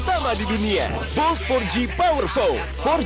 pertama di dunia bolt empat g powerfold